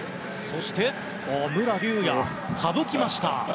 そして、武良竜也かぶきました。